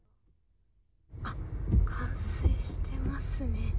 あっ、冠水してますね。